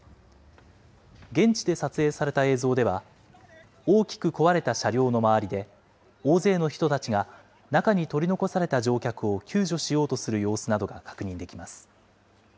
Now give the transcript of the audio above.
現地で撮影された映像では、大きく壊れた車両の周りで、大勢の人たちが中に取り残された乗客を救助しようとする様子などが確認できます。